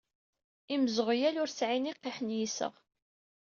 Imzeɣyal ur sɛan iqiḥ n yiseɣ.